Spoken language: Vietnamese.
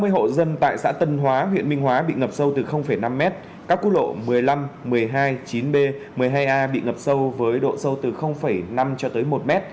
sáu mươi hộ dân tại xã tân hóa huyện minh hóa bị ngập sâu từ năm m các quốc lộ một mươi năm một mươi hai chín b một mươi hai a bị ngập sâu với độ sâu từ năm cho tới một m